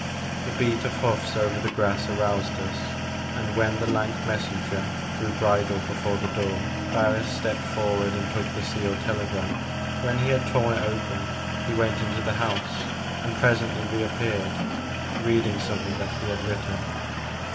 The beat of hoofs over the grass, aroused us, and when the lank messenger drew bridle before the door, Barris stepped forward and took the sealed telegram. When he had torn it open he went into the house and presently re appeared, reading something that he had written.